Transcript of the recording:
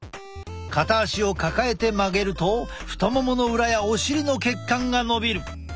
片足を抱えて曲げると太ももの裏やお尻の血管がのびる。